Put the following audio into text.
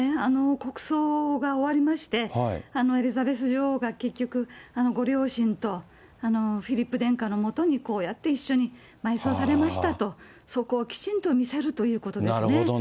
国葬が終わりまして、エリザベス女王が結局、ご両親と、フィリップ殿下と一緒に埋葬されましたと、そこをきちんと見せるということですね。